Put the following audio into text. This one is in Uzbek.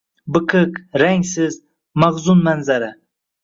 Биқиқ, рангсиз, маҳзун манзара